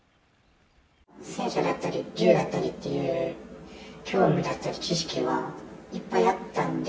戦車だったり銃だったりっていう、興味だったり、知識はいっぱいあったんで。